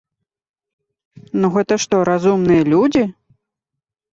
Ну, гэта што, разумныя людзі?